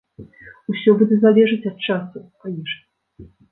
Усё будзе залежыць ад часу, канешне.